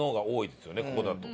ここだと。